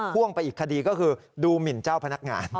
พ่วงไปอีกคดีก็คือดูหมินเจ้าพนักงาน